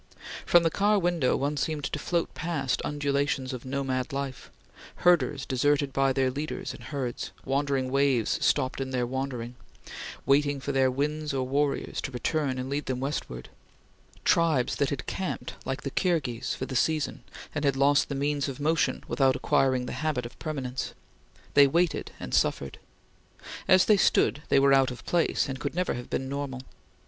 From the car window one seemed to float past undulations of nomad life herders deserted by their leaders and herds wandering waves stopped in their wanderings waiting for their winds or warriors to return and lead them westward; tribes that had camped, like Khirgis, for the season, and had lost the means of motion without acquiring the habit of permanence. They waited and suffered. As they stood they were out of place, and could never have been normal.